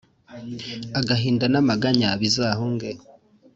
agahinda n’amaganya bizahunge.